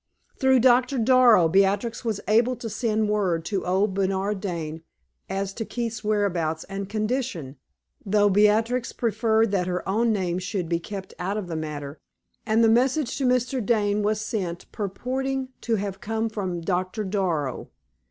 Through Doctor Darrow, Beatrix was able to send word to old Bernard Dane as to Keith's whereabouts and condition, though Beatrix preferred that her own name should be kept out of the matter, and the message to Mr. Dane was sent, purporting to have come from Dr. Darrow.